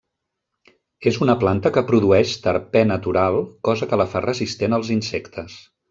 És una planta que produeix terpè natural cosa que la fa resistent als insectes.